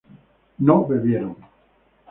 no bebieron